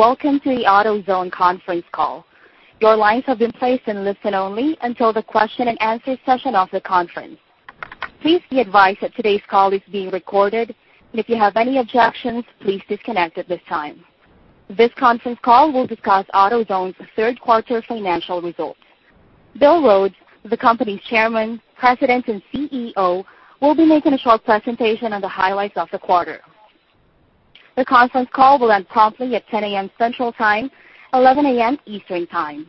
Welcome to the AutoZone conference call. Your lines have been placed in listen only until the question and answer session of the conference. Please be advised that today's call is being recorded, and if you have any objections, please disconnect at this time. This conference call will discuss AutoZone's third quarter financial results. Bill Rhodes, the company's Chairman, President, and CEO, will be making a short presentation on the highlights of the quarter. The conference call will end promptly at 10:00 A.M. Central Time, 11:00 A.M. Eastern Time.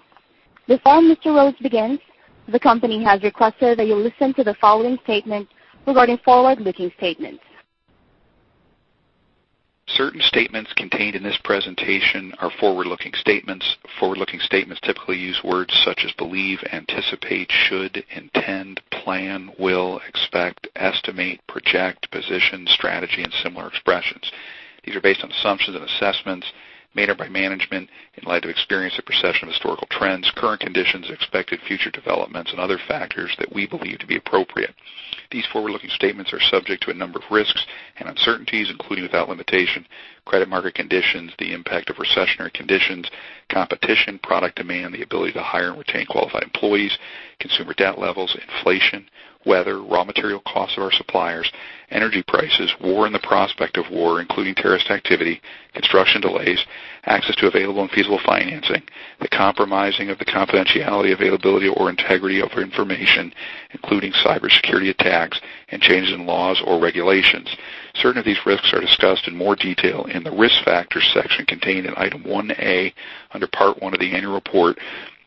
Before Mr. Rhodes begins, the company has requested that you listen to the following statement regarding forward-looking statements. Certain statements contained in this presentation are forward-looking statements. Forward-looking statements typically use words such as believe, anticipate, should, intend, plan, will, expect, estimate, project, position, strategy, and similar expressions. These are based on assumptions and assessments made up by management in light of experience of procession of historical trends, current conditions, expected future developments, and other factors that we believe to be appropriate. These forward-looking statements are subject to a number of risks and uncertainties, including without limitation, credit market conditions, the impact of recessionary conditions, competition, product demand, the ability to hire and retain qualified employees, consumer debt levels, inflation, weather, raw material costs of our suppliers, energy prices, war and the prospect of war, including terrorist activity, construction delays, access to available and feasible financing, the compromising of the confidentiality, availability, or integrity of information, including cybersecurity attacks and changes in laws or regulations. Certain of these risks are discussed in more detail in the Risk Factors section contained in Item One A under Part One of the annual report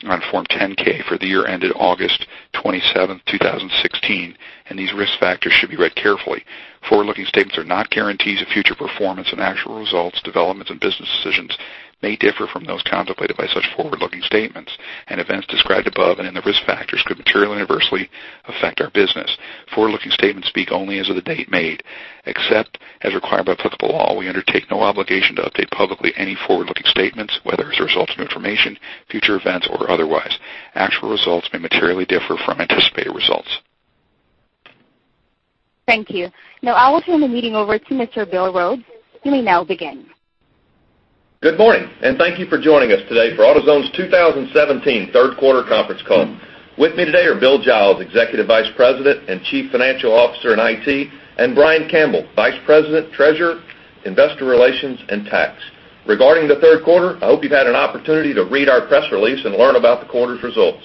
on Form 10-K for the year ended August 27th, 2016. These risk factors should be read carefully. Forward-looking statements are not guarantees of future performance, and actual results, developments, and business decisions may differ from those contemplated by such forward-looking statements and events described above and in the risk factors could materially adversely affect our business. Forward-looking statements speak only as of the date made. Except as required by applicable law, we undertake no obligation to update publicly any forward-looking statements, whether as a result of new information, future events, or otherwise. Actual results may materially differ from anticipated results. Thank you. Now I will turn the meeting over to Mr. Bill Rhodes. You may now begin. Good morning. Thank you for joining us today for AutoZone's 2017 third quarter conference call. With me today are Bill Giles, Executive Vice President and Chief Financial Officer, IT, and Brian Campbell, Vice President, Treasurer, Investor Relations, and Tax. Regarding the third quarter, I hope you've had an opportunity to read our press release and learn about the quarter's results.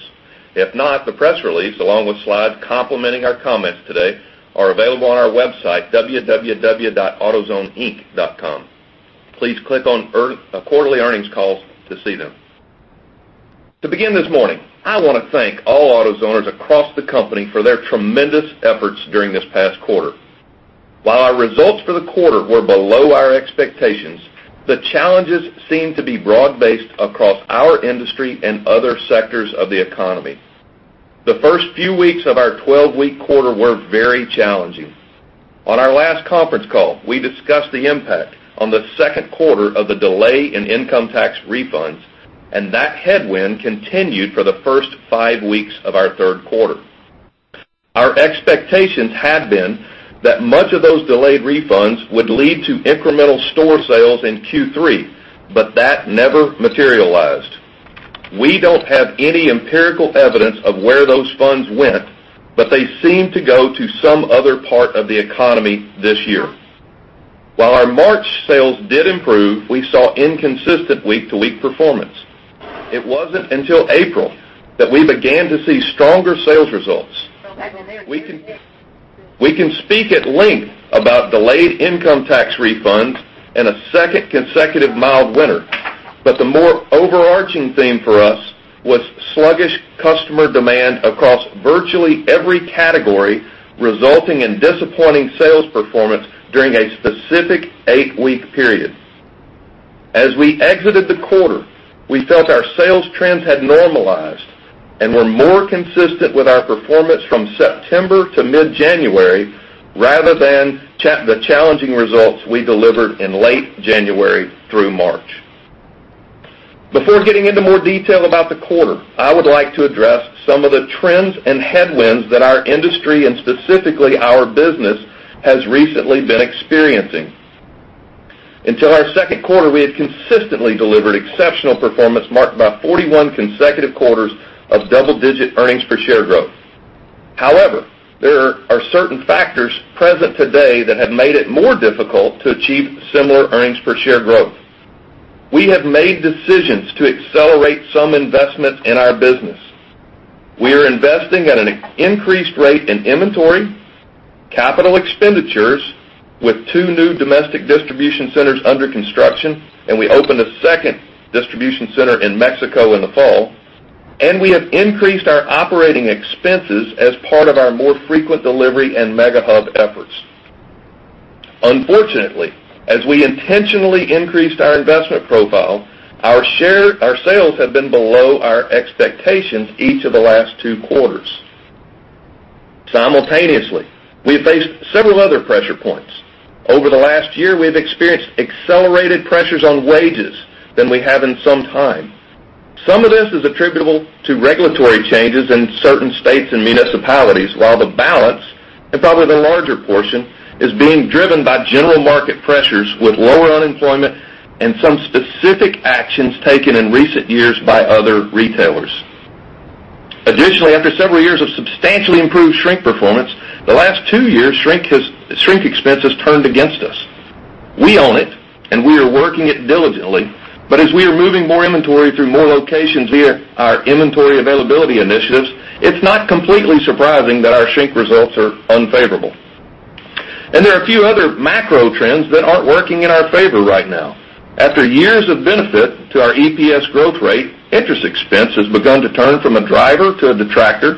If not, the press release, along with slides complementing our comments today, are available on our website, www.autozoneinc.com. Please click on Quarterly Earnings Calls to see them. To begin this morning, I want to thank all AutoZoners across the company for their tremendous efforts during this past quarter. While our results for the quarter were below our expectations, the challenges seem to be broad-based across our industry and other sectors of the economy. The first few weeks of our 12-week quarter were very challenging. On our last conference call, we discussed the impact on the second quarter of the delay in income tax refunds. That headwind continued for the first five weeks of our third quarter. Our expectations had been that much of those delayed refunds would lead to incremental store sales in Q3. That never materialized. We don't have any empirical evidence of where those funds went. They seem to go to some other part of the economy this year. While our March sales did improve, we saw inconsistent week-to-week performance. It wasn't until April that we began to see stronger sales results. We can speak at length about delayed income tax refunds and a second consecutive mild winter, but the more overarching theme for us was sluggish customer demand across virtually every category, resulting in disappointing sales performance during a specific 8-week period. As we exited the quarter, we felt our sales trends had normalized and were more consistent with our performance from September to mid-January rather than the challenging results we delivered in late January through March. Before getting into more detail about the quarter, I would like to address some of the trends and headwinds that our industry and specifically our business has recently been experiencing. Until our second quarter, we had consistently delivered exceptional performance marked by 41 consecutive quarters of double-digit earnings per share growth. However, there are certain factors present today that have made it more difficult to achieve similar earnings per share growth. We have made decisions to accelerate some investments in our business. We are investing at an increased rate in inventory, capital expenditures with two new domestic distribution centers under construction. We opened a second distribution center in Mexico in the fall. We have increased our operating expenses as part of our more frequent delivery and Mega Hub efforts. Unfortunately, as we intentionally increased our investment profile, our sales have been below our expectations each of the last two quarters. Simultaneously, we have faced several other pressure points. Over the last year, we've experienced accelerated pressures on wages than we have in some time. Some of this is attributable to regulatory changes in certain states and municipalities, while the balance, and probably the larger portion, is being driven by general market pressures with lower unemployment and some specific actions taken in recent years by other retailers. Additionally, after several years of substantially improved shrink performance, the last two years, shrink expense has turned against us. We own it, and we are working it diligently. As we are moving more inventory through more locations via our inventory availability initiatives, it's not completely surprising that our shrink results are unfavorable. There are a few other macro trends that aren't working in our favor right now. After years of benefit to our EPS growth rate, interest expense has begun to turn from a driver to a detractor.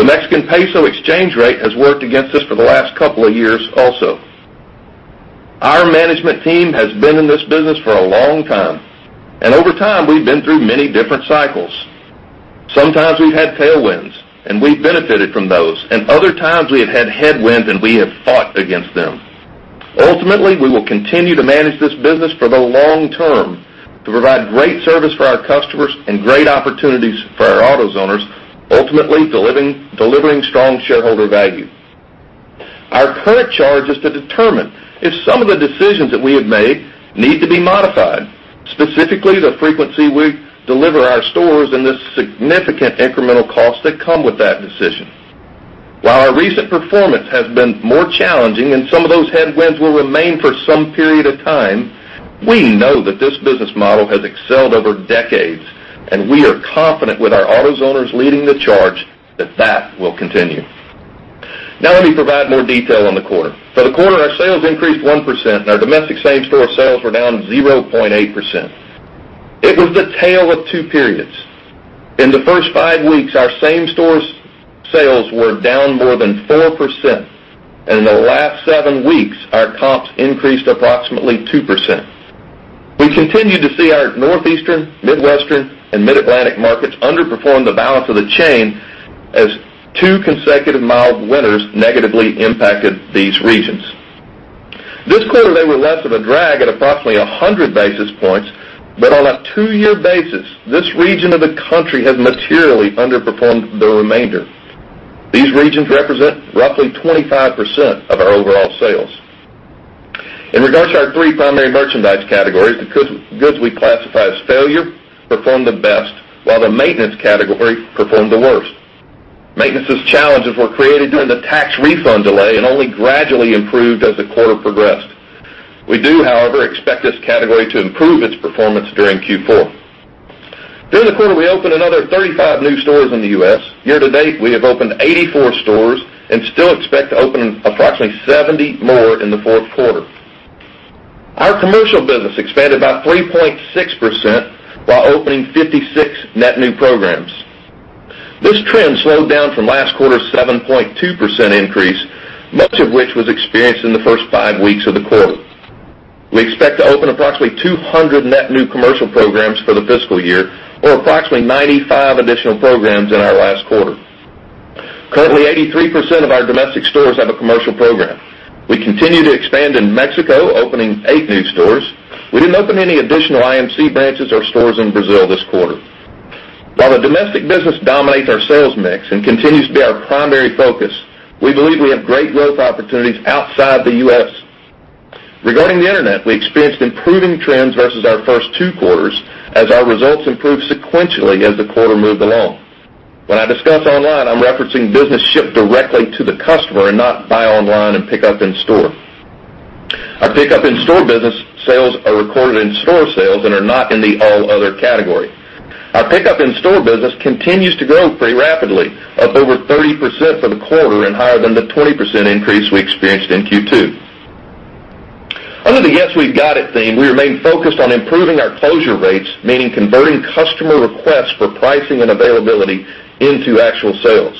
The Mexican peso exchange rate has worked against us for the last couple of years also. Our management team has been in this business for a long time. Over time, we've been through many different cycles. Sometimes we've had tailwinds, and we've benefited from those, and other times we have had headwinds, and we have fought against them. Ultimately, we will continue to manage this business for the long term to provide great service for our customers and great opportunities for our AutoZoners, ultimately delivering strong shareholder value. Our current charge is to determine if some of the decisions that we have made need to be modified, specifically the frequency we deliver our stores and the significant incremental costs that come with that decision. While our recent performance has been more challenging and some of those headwinds will remain for some period of time, we know that this business model has excelled over decades, and we are confident with our AutoZoners leading the charge that that will continue. Let me provide more detail on the quarter. For the quarter, our sales increased 1%, and our domestic same-store sales were down 0.8%. It was the tale of two periods. In the first five weeks, our same-store sales were down more than 4%, and in the last seven weeks, our comps increased approximately 2%. We continue to see our Northeastern, Midwestern, and Mid-Atlantic markets underperform the balance of the chain as two consecutive mild winters negatively impacted these regions. This quarter, they were less of a drag at approximately 100 basis points, but on a two-year basis, this region of the country has materially underperformed the remainder. These regions represent roughly 25% of our overall sales. In regards to our three primary merchandise categories, the goods we classify as failure performed the best, while the maintenance category performed the worst. Maintenance's challenges were created during the tax refund delay and only gradually improved as the quarter progressed. We do, however, expect this category to improve its performance during Q4. During the quarter, we opened another 35 new stores in the U.S. Year-to-date, we have opened 84 stores and still expect to open approximately 70 more in the fourth quarter. Our commercial business expanded by 3.6% while opening 56 net new programs. This trend slowed down from last quarter's 7.2% increase, much of which was experienced in the first five weeks of the quarter. We expect to open approximately 200 net new commercial programs for the fiscal year or approximately 95 additional programs in our last quarter. Currently, 83% of our domestic stores have a commercial program. We continue to expand in Mexico, opening eight new stores. We didn't open any additional IMC branches or stores in Brazil this quarter. While the domestic business dominates our sales mix and continues to be our primary focus, we believe we have great growth opportunities outside the U.S. Regarding the internet, we experienced improving trends versus our first two quarters as our results improved sequentially as the quarter moved along. When I discuss online, I'm referencing business shipped directly to the customer and not buy online and pick up in-store. Our pickup in-store business sales are recorded in-store sales and are not in the all other category. Our pickup in-store business continues to grow pretty rapidly, up over 30% for the quarter and higher than the 20% increase we experienced in Q2. Under the Yes, We've Got It theme, we remain focused on improving our closure rates, meaning converting customer requests for pricing and availability into actual sales.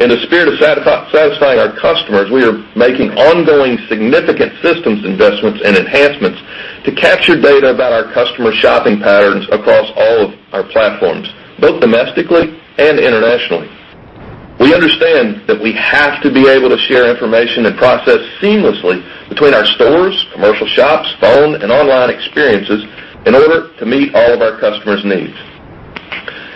In the spirit of satisfying our customers, we are making ongoing significant systems investments and enhancements to capture data about our customer shopping patterns across all of our platforms, both domestically and internationally. We understand that we have to be able to share information and process seamlessly between our stores, commercial shops, phone, and online experiences in order to meet all of our customers' needs.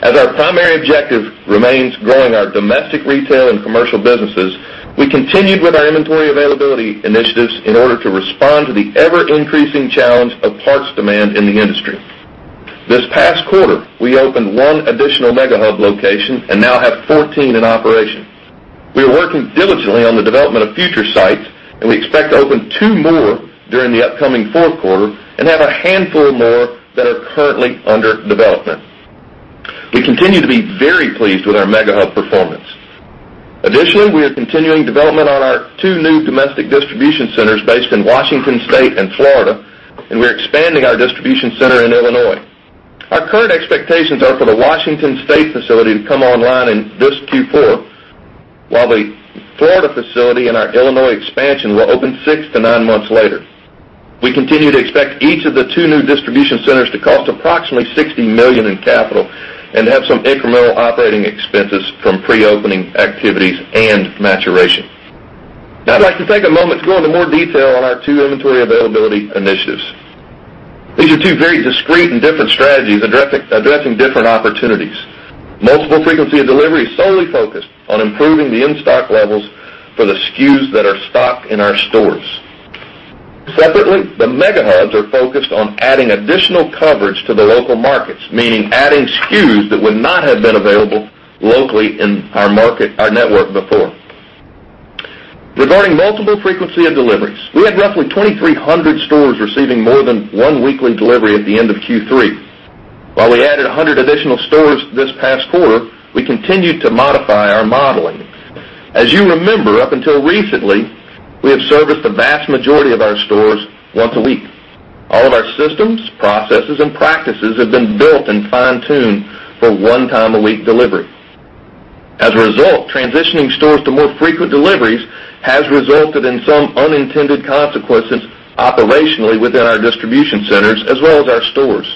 As our primary objective remains growing our domestic retail and commercial businesses, we continued with our inventory availability initiatives in order to respond to the ever-increasing challenge of parts demand in the industry. This past quarter, we opened one additional Mega Hub location and now have 14 in operation. We are working diligently on the development of future sites, and we expect to open two more during the upcoming fourth quarter and have a handful more that are currently under development. We continue to be very pleased with our Mega Hub performance. Additionally, we are continuing development on our two new domestic distribution centers based in Washington State and Florida, and we're expanding our distribution center in Illinois. Our current expectations are for the Washington State facility to come online in this Q4, while the Florida facility and our Illinois expansion will open six to nine months later. We continue to expect each of the two new distribution centers to cost approximately $60 million in capital and have some incremental operating expenses from pre-opening activities and maturation. Now I'd like to take a moment to go into more detail on our two inventory availability initiatives. These are two very discrete and different strategies addressing different opportunities. Multiple frequency of delivery is solely focused on improving the in-stock levels for the SKUs that are stocked in our stores. Separately, the Mega Hubs are focused on adding additional coverage to the local markets, meaning adding SKUs that would not have been available locally in our network before. Regarding multiple frequency of deliveries, we had roughly 2,300 stores receiving more than one weekly delivery at the end of Q3. While we added 100 additional stores this past quarter, we continued to modify our modeling. As you remember, up until recently, we have serviced the vast majority of our stores once a week. All of our systems, processes, and practices have been built and fine-tuned for one time a week delivery. As a result, transitioning stores to more frequent deliveries has resulted in some unintended consequences operationally within our distribution centers as well as our stores.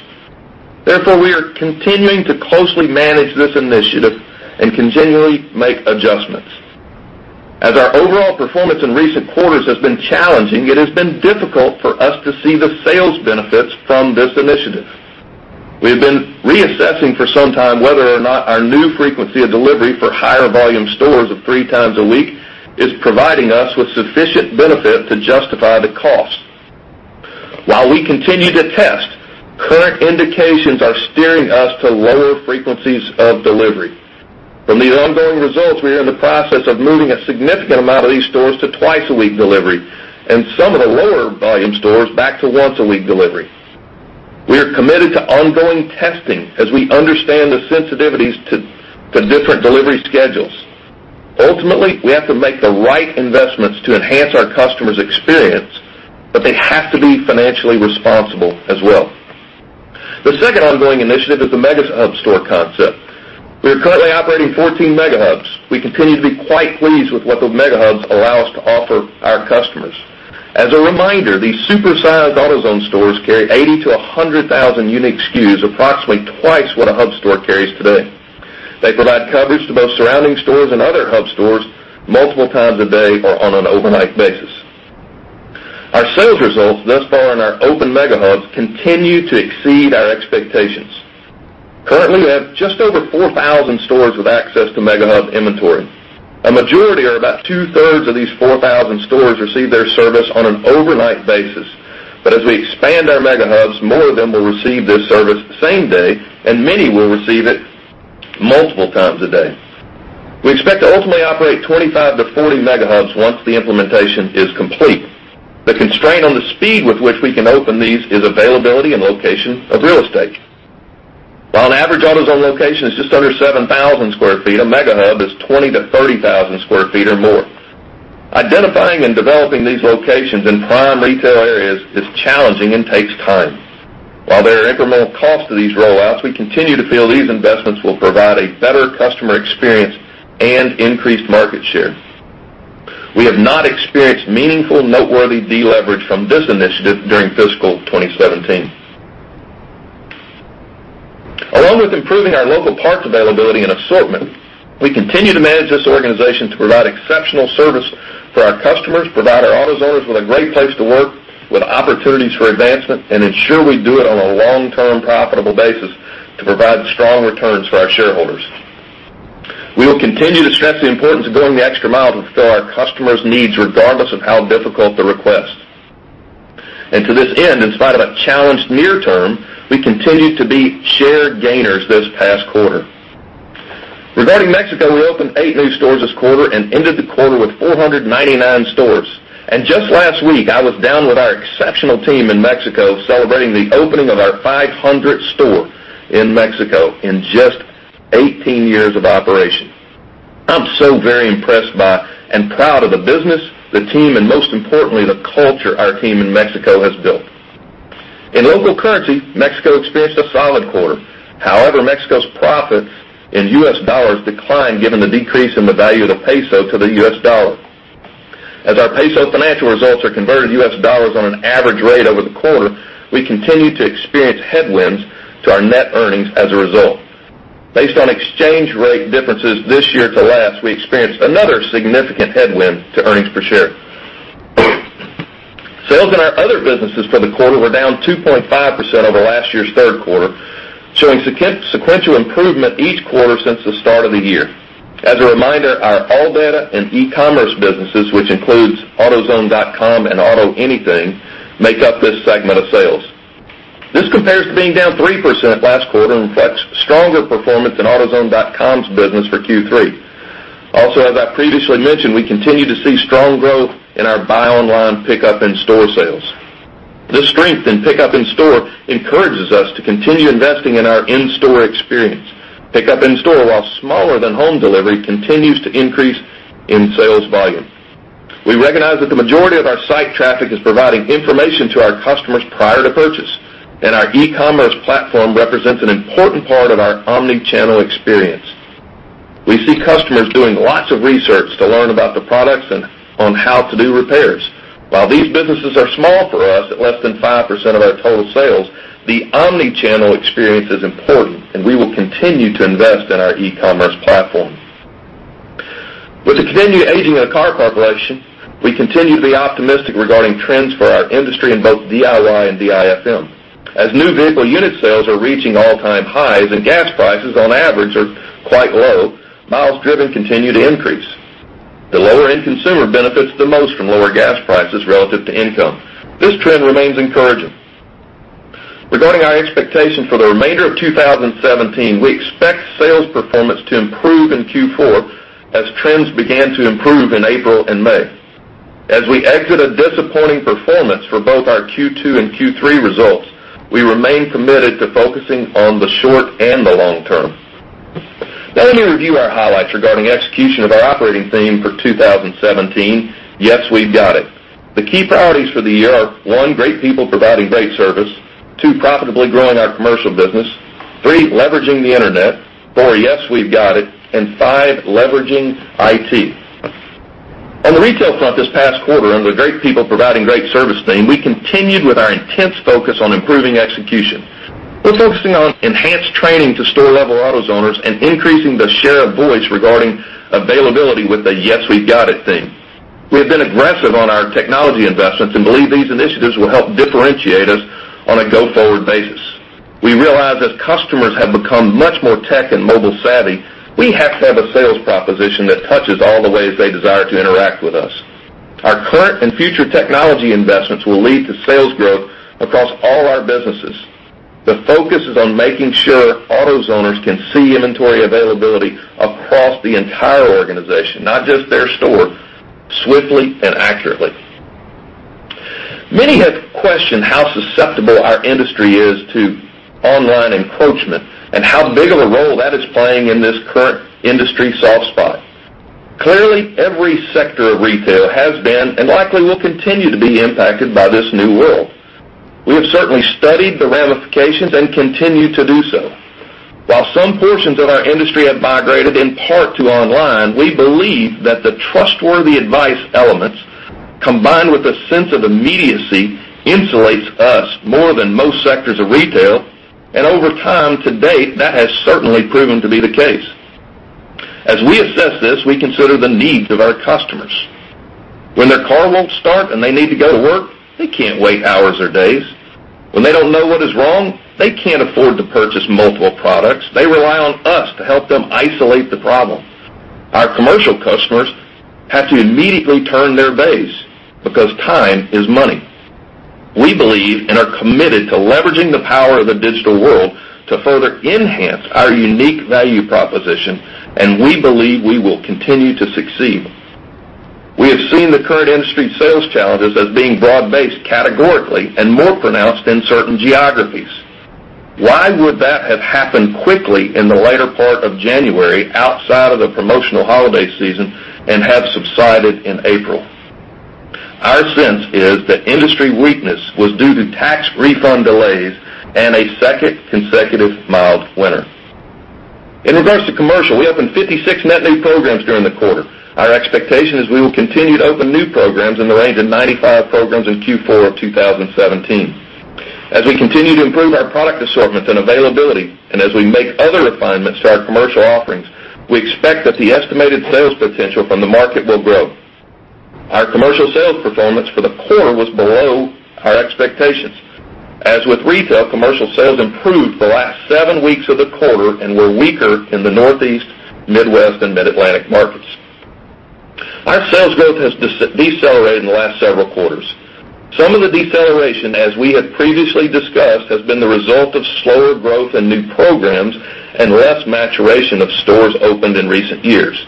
We are continuing to closely manage this initiative and continually make adjustments. As our overall performance in recent quarters has been challenging, it has been difficult for us to see the sales benefits from this initiative. We have been reassessing for some time whether or not our new frequency of delivery for higher volume stores of three times a week is providing us with sufficient benefit to justify the cost. While we continue to test, current indications are steering us to lower frequencies of delivery. From these ongoing results, we are in the process of moving a significant amount of these stores to twice a week delivery, and some of the lower volume stores back to once a week delivery. We are committed to ongoing testing as we understand the sensitivities to different delivery schedules. Ultimately, we have to make the right investments to enhance our customers' experience, but they have to be financially responsible as well. The second ongoing initiative is the Mega Hub store concept. We are currently operating 14 Mega Hubs. We continue to be quite pleased with what the Mega Hubs allow us to offer our customers. As a reminder, these super-sized AutoZone stores carry 80,000 to 100,000 unique SKUs, approximately twice what a Hub Store carries today. They provide coverage to both surrounding stores and other Hub Stores multiple times a day or on an overnight basis. Our sales results thus far in our open Mega Hubs continue to exceed our expectations. Currently, we have just over 4,000 stores with access to Mega Hub inventory. A majority or about two-thirds of these 4,000 stores receive their service on an overnight basis. As we expand our Mega Hubs, more of them will receive this service same day, and many will receive it multiple times a day. We expect to ultimately operate 25 to 40 Mega Hubs once the implementation is complete. The constraint on the speed with which we can open these is availability and location of real estate. While an average AutoZone location is just under 7,000 sq ft, a Mega Hub is 20,000 to 30,000 sq ft or more. Identifying and developing these locations in prime retail areas is challenging and takes time. While there are incremental costs to these rollouts, we continue to feel these investments will provide a better customer experience and increased market share. We have not experienced meaningful noteworthy deleverage from this initiative during fiscal 2017. Along with improving our local parts availability and assortment, we continue to manage this organization to provide exceptional service for our customers, provide our AutoZoners with a great place to work with opportunities for advancement, and ensure we do it on a long-term profitable basis to provide strong returns for our shareholders. We will continue to stress the importance of going the extra mile to fulfill our customers' needs regardless of how difficult the request. To this end, in spite of a challenged near term, we continue to be share gainers this past quarter. Regarding Mexico, we opened eight new stores this quarter and ended the quarter with 499 stores. Just last week, I was down with our exceptional team in Mexico celebrating the opening of our 500th store in Mexico in just 18 years of operation. I'm so very impressed by and proud of the business, the team, and most importantly, the culture our team in Mexico has built. In local currency, Mexico experienced a solid quarter. However, Mexico's profits in U.S. dollars declined given the decrease in the value of the MXN peso to the U.S. dollar. As our peso financial results are converted to US dollars on an average rate over the quarter, we continue to experience headwinds to our net earnings as a result. Based on exchange rate differences this year to last, we experienced another significant headwind to earnings per share. Sales in our other businesses for the quarter were down 2.5% over last year's third quarter, showing sequential improvement each quarter since the start of the year. As a reminder, our ALLDATA and e-commerce businesses, which includes autozone.com and AutoAnything, make up this segment of sales. This compares to being down 3% last quarter and reflects stronger performance in autozone.com's business for Q3. Also, as I previously mentioned, we continue to see strong growth in our buy online, pickup in-store sales. This strength in pickup in-store encourages us to continue investing in our in-store experience. Pickup in-store, while smaller than home delivery, continues to increase in sales volume. We recognize that the majority of our site traffic is providing information to our customers prior to purchase. Our e-commerce platform represents an important part of our omni-channel experience. We see customers doing lots of research to learn about the products and on how to do repairs. While these businesses are small for us at less than 5% of our total sales, the omni-channel experience is important and we will continue to invest in our e-commerce platform. With the continued aging of the car population, we continue to be optimistic regarding trends for our industry in both DIY and DIFM. As new vehicle unit sales are reaching all-time highs. Gas prices on average are quite low, miles driven continue to increase. The lower-end consumer benefits the most from lower gas prices relative to income. This trend remains encouraging. Regarding our expectation for the remainder of 2017, we expect sales performance to improve in Q4 as trends began to improve in April and May. As we exit a disappointing performance for both our Q2 and Q3 results, we remain committed to focusing on the short and the long term. Now let me review our highlights regarding execution of our operating theme for 2017, Yes, We've Got It. The key priorities for the year are, one, great people providing great service, two, profitably growing our commercial business, three, leveraging the Internet, four, Yes, We've Got It, and five, leveraging IT. On the retail front this past quarter under the great people providing great service theme, we continued with our intense focus on improving execution. We're focusing on enhanced training to store-level AutoZoners and increasing the share of voice regarding availability with the Yes, We've Got It theme. We have been aggressive on our technology investments and believe these initiatives will help differentiate us on a go-forward basis. We realize as customers have become much more tech and mobile savvy, we have to have a sales proposition that touches all the ways they desire to interact with us. Our current and future technology investments will lead to sales growth across all our businesses. The focus is on making sure AutoZoners can see inventory availability across the entire organization, not just their store, swiftly and accurately. Many have questioned how susceptible our industry is to online encroachment and how big of a role that is playing in this current industry soft spot. Clearly, every sector of retail has been and likely will continue to be impacted by this new world. We have certainly studied the ramifications and continue to do so. While some portions of our industry have migrated in part to online, we believe that the trustworthy advice elements, combined with a sense of immediacy, insulates us more than most sectors of retail, and over time, to date, that has certainly proven to be the case. As we assess this, we consider the needs of our customers. When their car won't start and they need to go to work, they can't wait hours or days. When they don't know what is wrong, they can't afford to purchase multiple products. They rely on us to help them isolate the problem. Our commercial customers have to immediately turn their bays because time is money. We believe and are committed to leveraging the power of the digital world to further enhance our unique value proposition, and we believe we will continue to succeed. We have seen the current industry sales challenges as being broad-based categorically and more pronounced in certain geographies. Why would that have happened quickly in the later part of January outside of the promotional holiday season and have subsided in April? Our sense is that industry weakness was due to tax refund delays and a second consecutive mild winter. In regards to commercial, we opened 56 net new programs during the quarter. Our expectation is we will continue to open new programs in the range of 95 programs in Q4 of 2017. As we continue to improve our product assortment and availability and as we make other refinements to our commercial offerings, we expect that the estimated sales potential from the market will grow. Our commercial sales performance for the quarter was below our expectations. As with retail, commercial sales improved the last seven weeks of the quarter and were weaker in the Northeast, Midwest, and Mid-Atlantic markets. Our sales growth has decelerated in the last several quarters. Some of the deceleration, as we have previously discussed, has been the result of slower growth in new programs and less maturation of stores opened in recent years.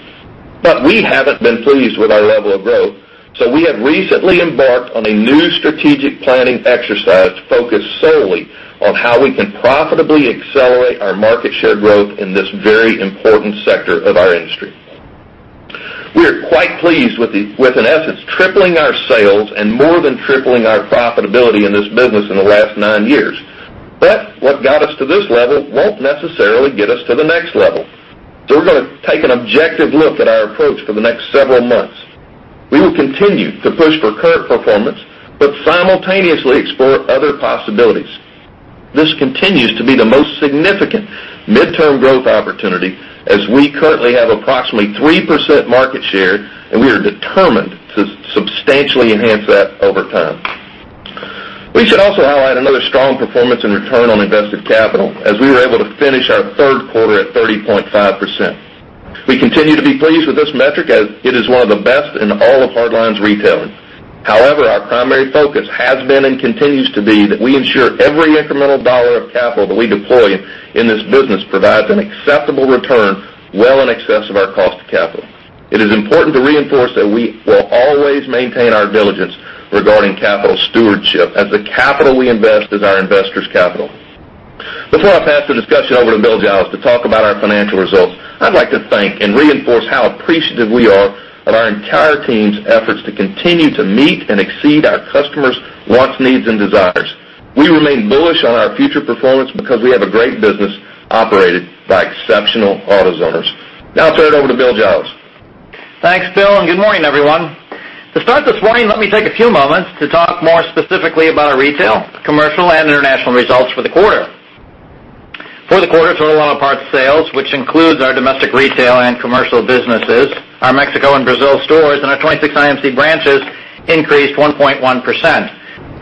We haven't been pleased with our level of growth, so we have recently embarked on a new strategic planning exercise focused solely on how we can profitably accelerate our market share growth in this very important sector of our industry. What got us to this level won't necessarily get us to the next level. We're going to take an objective look at our approach for the next several months. We will continue to push for current performance but simultaneously explore other possibilities. This continues to be the most significant midterm growth opportunity as we currently have approximately 3% market share, and we are determined to substantially enhance that over time. We should also highlight another strong performance in return on invested capital as we were able to finish our third quarter at 30.5%. We continue to be pleased with this metric as it is one of the best in all of hardlines retailing. However, our primary focus has been and continues to be that we ensure every incremental dollar of capital that we deploy in this business provides an acceptable return well in excess of our cost of capital. It is important to reinforce that we will always maintain our diligence regarding capital stewardship, as the capital we invest is our investors' capital. Before I pass the discussion over to Bill Giles to talk about our financial results, I'd like to thank and reinforce how appreciative we are of our entire team's efforts to continue to meet and exceed our customers' wants, needs, and desires. We remain bullish on our future performance because we have a great business operated by exceptional AutoZoners. Now I'll turn it over to Bill Giles. Thanks, Bill, and good morning, everyone. To start this morning, let me take a few moments to talk more specifically about our retail, commercial, and international results for the quarter. For the quarter, total auto parts sales, which includes our domestic retail and commercial businesses, our Mexico and Brazil stores, and our 26 IMC branches, increased 1.1%.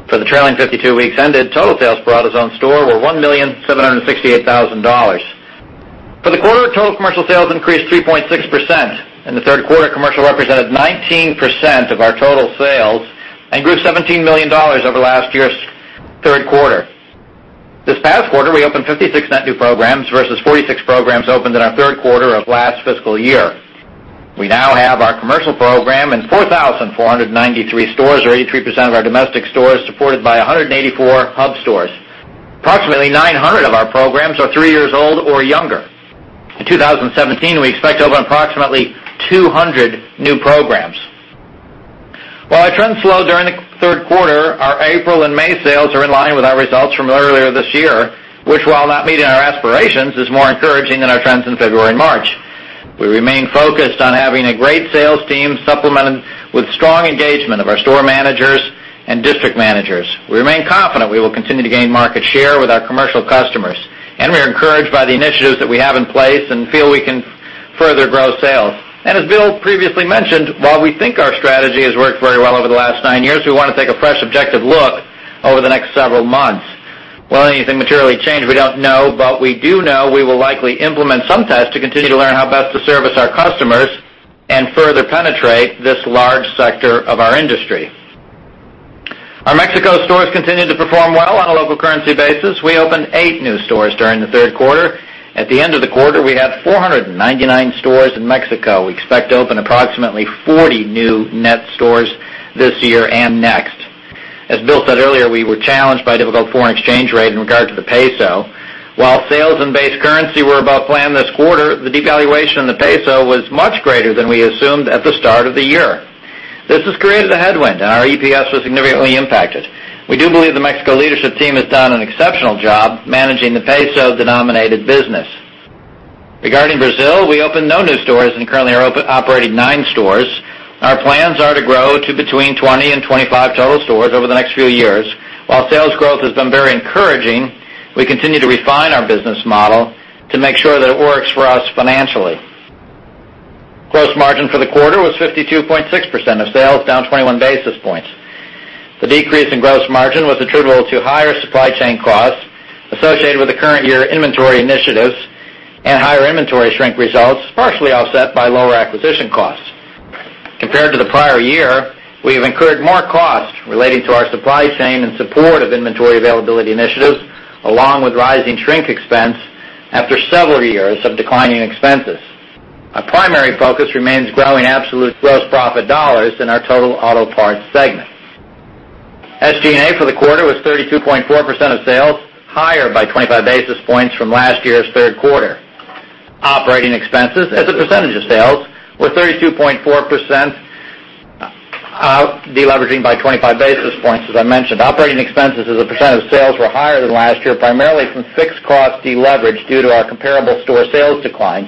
For the trailing 52 weeks ended, total sales for AutoZone store were $1,768,000. For the quarter, total commercial sales increased 3.6%. In the third quarter, commercial represented 19% of our total sales and grew $17 million over last year's third quarter. This past quarter, we opened 56 net new programs versus 46 programs opened in our third quarter of last fiscal year. We now have our commercial program in 4,493 stores or 83% of our domestic stores, supported by 184 Hub Stores. Approximately 900 of our programs are three years old or younger. In 2017, we expect to open approximately 200 new programs. While our trends slowed during the third quarter, our April and May sales are in line with our results from earlier this year, which, while not meeting our aspirations, is more encouraging than our trends in February and March. We remain focused on having a great sales team, supplemented with strong engagement of our store managers and district managers. We remain confident we will continue to gain market share with our commercial customers, and we are encouraged by the initiatives that we have in place and feel we can further grow sales. As Bill previously mentioned, while we think our strategy has worked very well over the last nine years, we want to take a fresh, objective look over the next several months. Will anything materially change? We don't know, but we do know we will likely implement some tests to continue to learn how best to service our customers and further penetrate this large sector of our industry. Our Mexico stores continued to perform well on a local currency basis. We opened eight new stores during the third quarter. At the end of the quarter, we had 499 stores in Mexico. We expect to open approximately 40 new net stores this year and next. As Bill said earlier, we were challenged by a difficult foreign exchange rate in regard to the peso. While sales and base currency were above plan this quarter, the devaluation of the peso was much greater than we assumed at the start of the year. This has created a headwind, and our EPS was significantly impacted. We do believe the Mexico leadership team has done an exceptional job managing the peso-denominated business. Regarding Brazil, we opened no new stores and currently are operating nine stores. Our plans are to grow to between 20 and 25 total stores over the next few years. While sales growth has been very encouraging, we continue to refine our business model to make sure that it works for us financially. Gross margin for the quarter was 52.6% of sales, down 21 basis points. The decrease in gross margin was attributable to higher supply chain costs associated with the current year inventory initiatives and higher inventory shrink results, partially offset by lower acquisition costs. Compared to the prior year, we have incurred more costs relating to our supply chain in support of inventory availability initiatives, along with rising shrink expense after several years of declining expenses. Our primary focus remains growing absolute gross profit dollars in our total auto parts segment. SG&A for the quarter was 32.4% of sales, higher by 25 basis points from last year's third quarter. Operating expenses as a percentage of sales were 32.4%, deleveraging by 25 basis points, as I mentioned. Operating expenses as a percent of sales were higher than last year, primarily from fixed cost deleverage due to our comparable store sales decline,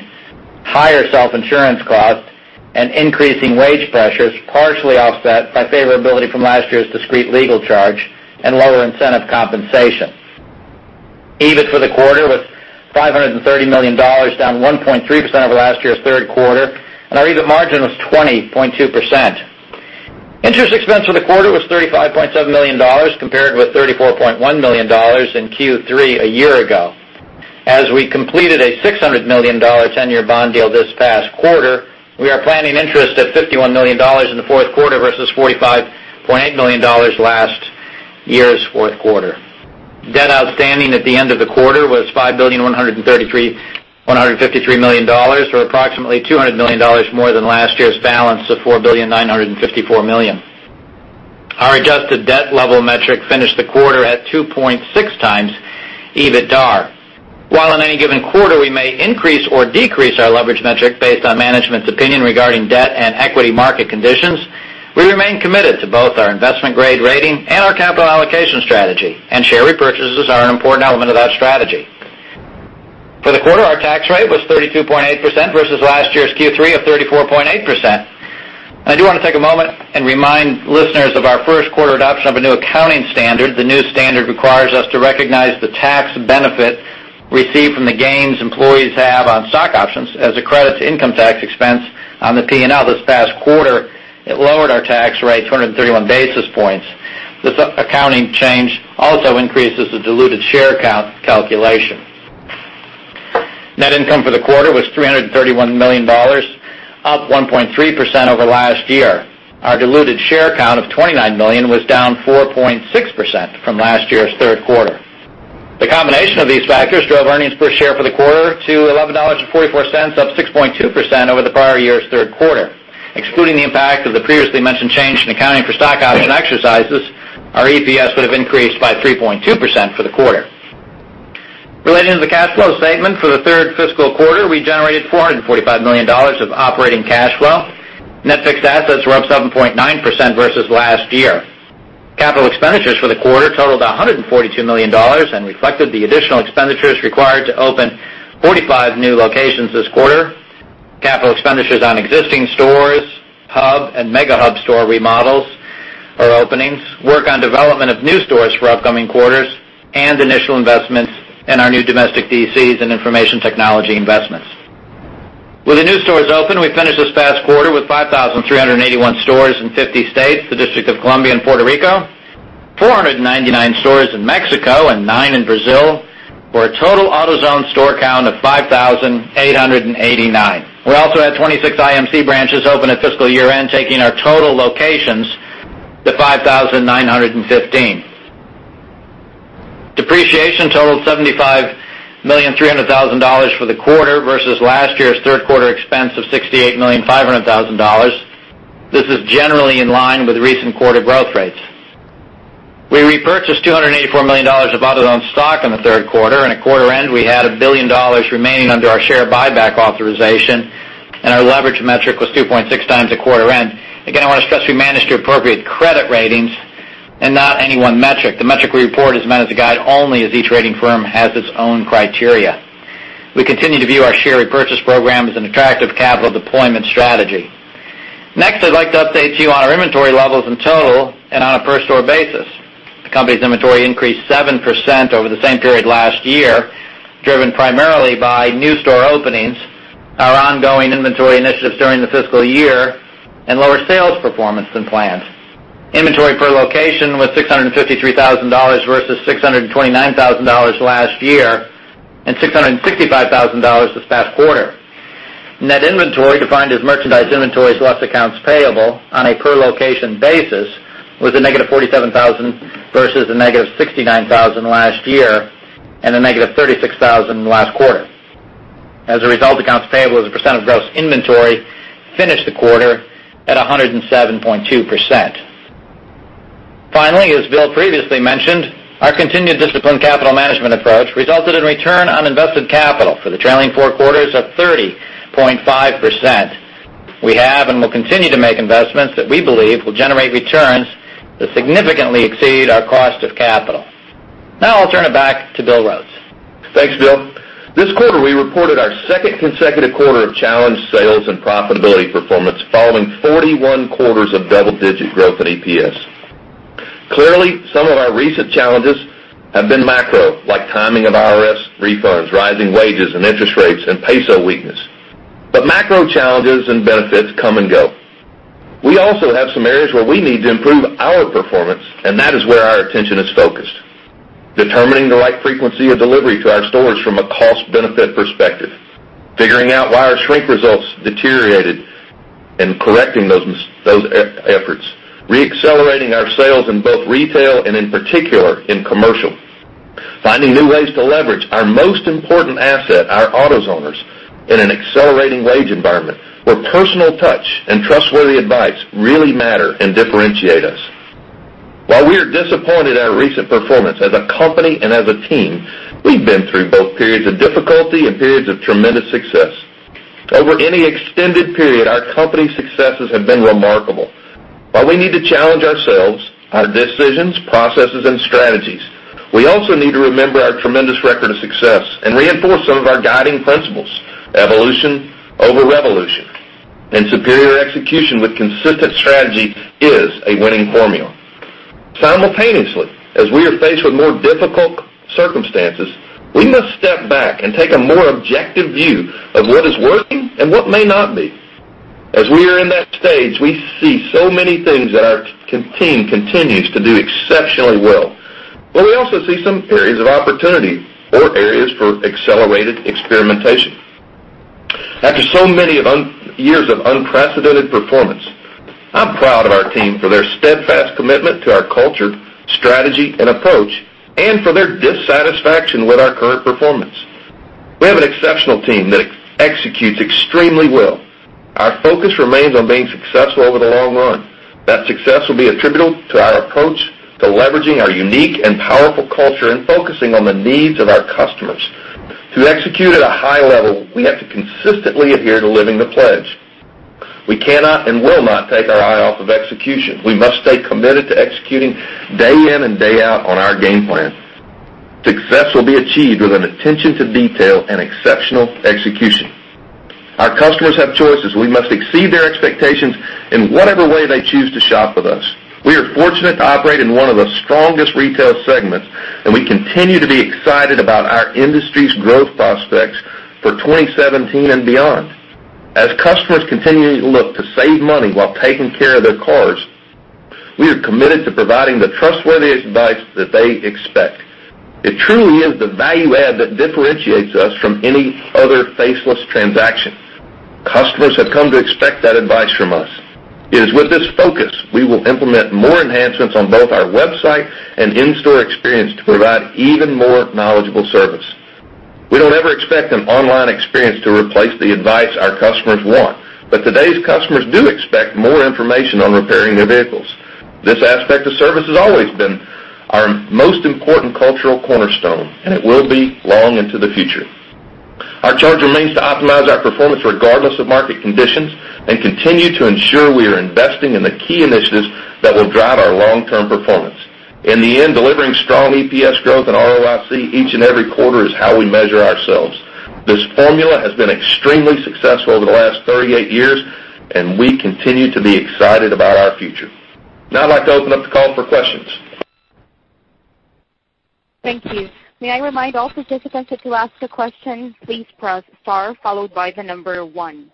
higher self-insurance costs, and increasing wage pressures, partially offset by favorability from last year's discrete legal charge and lower incentive compensation. EBIT for the quarter was $530 million, down 1.3% over last year's third quarter, and our EBIT margin was 20.2%. Interest expense for the quarter was $35.7 million, compared with $34.1 million in Q3 a year ago. As we completed a $600 million 10-year bond deal this past quarter, we are planning interest at $51 million in the fourth quarter versus $45.8 million last year's fourth quarter. Debt outstanding at the end of the quarter was $5,153,000,000, or approximately $200 million more than last year's balance of $4,954,000,000. Our adjusted debt level metric finished the quarter at 2.6 times EBITDAR. While in any given quarter, we may increase or decrease our leverage metric based on management's opinion regarding debt and equity market conditions, we remain committed to both our investment-grade rating and our capital allocation strategy, and share repurchases are an important element of that strategy. For the quarter, our tax rate was 32.8% versus last year's Q3 of 34.8%. I do want to take a moment and remind listeners of our first quarter adoption of a new accounting standard. The new standard requires us to recognize the tax benefit received from the gains employees have on stock options as a credit to income tax expense on the P&L. This past quarter, it lowered our tax rate 231 basis points. This accounting change also increases the diluted share calculation. Net income for the quarter was $331 million, up 1.3% over last year. Our diluted share count of 29 million was down 4.6% from last year's third quarter. The combination of these factors drove earnings per share for the quarter to $11.44, up 6.2% over the prior year's third quarter. Excluding the impact of the previously mentioned change in accounting for stock option exercises, our EPS would have increased by 3.2% for the quarter. Relating to the cash flow statement for the third fiscal quarter, we generated $445 million of operating cash flow. Net fixed assets were up 7.9% versus last year. Capital expenditures for the quarter totaled $142 million and reflected the additional expenditures required to open 45 new locations this quarter. Capital expenditures on existing stores, Hub and Mega Hub store remodels or openings, work on development of new stores for upcoming quarters, and initial investments in our new domestic DCs and information technology investments. With the new stores open, we finished this past quarter with 5,381 stores in 50 states, the District of Columbia and Puerto Rico, 499 stores in Mexico and nine in Brazil, for a total AutoZone store count of 5,889. We also had 26 IMC branches open at fiscal year-end, taking our total locations to 5,915. Depreciation totaled $75,300,000 for the quarter versus last year's third quarter expense of $68,500,000. This is generally in line with recent quarter growth rates. We repurchased $284 million of AutoZone stock in the third quarter, and at quarter end, we had $1 billion remaining under our share buyback authorization, and our leverage metric was 2.6 times at quarter end. Again, I want to stress we manage to appropriate credit ratings and not any one metric. The metric we report is meant as a guide only, as each rating firm has its own criteria. We continue to view our share repurchase program as an attractive capital deployment strategy. Next, I'd like to update you on our inventory levels in total and on a per store basis. The company's inventory increased 7% over the same period last year, driven primarily by new store openings, our ongoing inventory initiatives during the fiscal year, and lower sales performance than planned. Inventory per location was $653,000 versus $629,000 last year, and $665,000 this past quarter. Net inventory, defined as merchandise inventories less accounts payable, on a per-location basis, was a negative $47,000 versus a negative $69,000 last year and a negative $36,000 last quarter. As a result, accounts payable as a percent of gross inventory finished the quarter at 107.2%. Finally, as Bill previously mentioned, our continued disciplined capital management approach resulted in return on invested capital for the trailing four quarters of 30.5%. We have and will continue to make investments that we believe will generate returns that significantly exceed our cost of capital. Now I'll turn it back to Bill Rhodes. Thanks, Bill. This quarter, we reported our second consecutive quarter of challenged sales and profitability performance following 41 quarters of double-digit growth in EPS. Clearly, some of our recent challenges have been macro, like timing of IRS refunds, rising wages and interest rates, and peso weakness. Macro challenges and benefits come and go. We also have some areas where we need to improve our performance, and that is where our attention is focused: determining the right frequency of delivery to our stores from a cost-benefit perspective, figuring out why our shrink results deteriorated and correcting those efforts, re-accelerating our sales in both retail and in particular in commercial, finding new ways to leverage our most important asset, our AutoZoners, in an accelerating wage environment where personal touch and trustworthy advice really matter and differentiate us. While we are disappointed at our recent performance as a company and as a team, we've been through both periods of difficulty and periods of tremendous success. Over any extended period, our company successes have been remarkable. While we need to challenge ourselves, our decisions, processes, and strategies, we also need to remember our tremendous record of success and reinforce some of our guiding principles. Evolution over revolution and superior execution with consistent strategy is a winning formula. Simultaneously, as we are faced with more difficult circumstances, we must step back and take a more objective view of what is working and what may not be. As we are in that stage, we see so many things that our team continues to do exceptionally well, but we also see some areas of opportunity or areas for accelerated experimentation. After so many years of unprecedented performance, I'm proud of our team for their steadfast commitment to our culture, strategy and approach, and for their dissatisfaction with our current performance. We have an exceptional team that executes extremely well. Our focus remains on being successful over the long run. That success will be attributable to our approach to leveraging our unique and powerful culture and focusing on the needs of our customers. To execute at a high level, we have to consistently adhere to living the pledge. We cannot and will not take our eye off of execution. We must stay committed to executing day in and day out on our game plan. Success will be achieved with an attention to detail and exceptional execution. Our customers have choices. We must exceed their expectations in whatever way they choose to shop with us. We are fortunate to operate in one of the strongest retail segments. We continue to be excited about our industry's growth prospects for 2017 and beyond. As customers continue to look to save money while taking care of their cars, we are committed to providing the trustworthy advice that they expect. It truly is the value add that differentiates us from any other faceless transaction. Customers have come to expect that advice from us. It is with this focus we will implement more enhancements on both our website and in-store experience to provide even more knowledgeable service. We don't ever expect an online experience to replace the advice our customers want. Today's customers do expect more information on repairing their vehicles. This aspect of service has always been our most important cultural cornerstone, and it will be long into the future. Our charge remains to optimize our performance regardless of market conditions and continue to ensure we are investing in the key initiatives that will drive our long-term performance. In the end, delivering strong EPS growth and ROIC each and every quarter is how we measure ourselves. This formula has been extremely successful over the last 38 years, and we continue to be excited about our future. Now I'd like to open up the call for questions. Thank you. May I remind all participants that to ask a question, please press star followed by the number 1.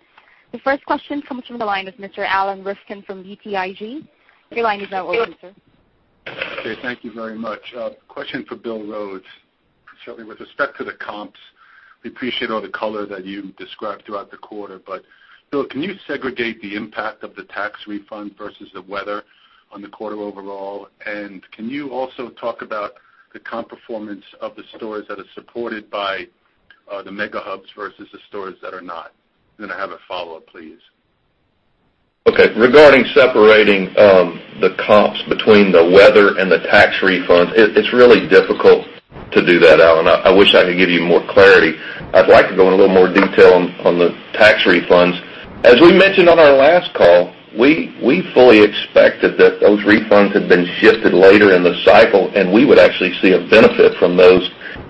The first question comes from the line of Mr. Alan Rifkin from BTIG. Your line is now open, sir. Okay, thank you very much. A question for Bill Rhodes. Certainly with respect to the comps, we appreciate all the color that you described throughout the quarter. Bill, can you segregate the impact of the tax refund versus the weather on the quarter overall? Can you also talk about the comp performance of the stores that are supported by the Mega Hubs versus the stores that are not? I have a follow-up, please. Okay. Regarding separating the comps between the weather and the tax refund, it's really difficult to do that, Alan. I wish I could give you more clarity. I'd like to go in a little more detail on the tax refunds. As we mentioned on our last call, we fully expected that those refunds had been shifted later in the cycle, and we would actually see a benefit from those